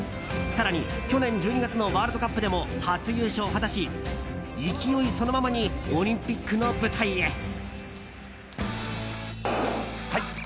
更に去年１２月のワールドカップでも初優勝を果たし、勢いそのままにオリンピックの舞台へ。